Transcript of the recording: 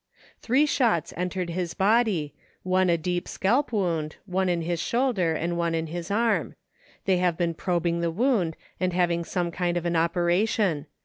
" Three shots entered his body, one a deep scalp wound, one in his shoulder, and one in his arm. They have been probing the wound and having some kind of an operation.